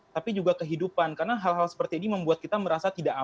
tapi juga kehidupan karena hal hal seperti ini membuat kita mengekspresikan diri kita